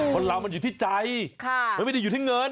คนเรามันอยู่ที่ใจมันไม่ได้อยู่ที่เงิน